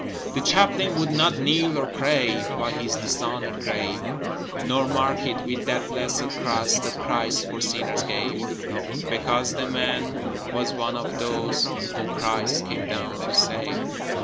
The Chaplain would not kneel to pray By his dishonoured grave: Nor mark it with that blessed Cross That Christ for sinners gave, Because the man was one of those Whom Christ came down to save.